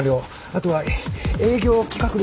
あとは営業企画部です。